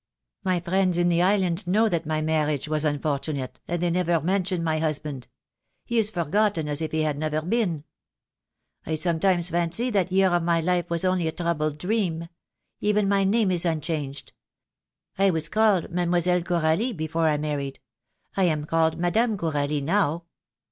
"My friends in the island know that my marriage was unfortunate, and they never mention my husband. He is forgotten as if he had never been. I sometimes fancy that year of my life was only a troubled dream. Even my name is unchanged. I was called Mdlle. Coralie before I married. I am called Madame Coralie now."